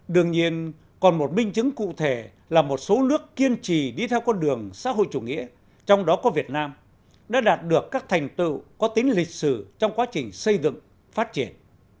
đương nhiên còn một minh chứng cụ thể là một số nước kiên trì đi theo con đường xã hội chủ nghĩa trong đó có việt nam đã đạt được các thành tựu có tính lịch sử trong quá trình xây dựng phát triển